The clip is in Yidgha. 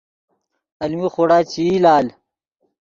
المی خوڑا چے ای لال